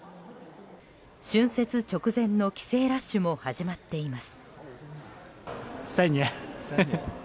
春節直前の帰省ラッシュも始まっています。